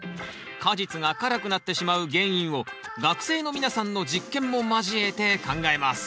果実が辛くなってしまう原因を学生の皆さんの実験も交えて考えます。